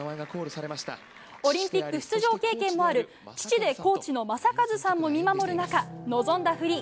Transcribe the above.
オリンピック出場経験もある父でコーチの正和さんも見守る中臨んだフリー。